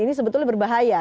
ini sebetulnya berbahaya